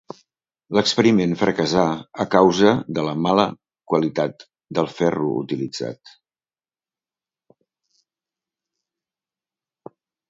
L'experiment fracassà a causa de la mala qualitat del ferro utilitzat.